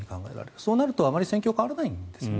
そうなると戦況があまり変わらないんですね。